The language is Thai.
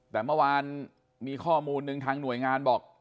แต่เมื่อวานมีข้อมูลหนึ่งทางหน่วยงานบอก